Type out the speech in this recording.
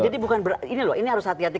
jadi bukan berarti ini loh ini harus hati hati